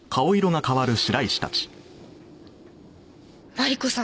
マリコさん